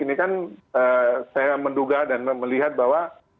ini kan saya menduga dan melihat bahwa